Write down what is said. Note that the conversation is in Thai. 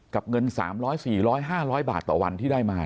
กับเงินสามร้อยสี่ร้อยห้าร้อยบาทต่อวันที่ได้มาเนี่ย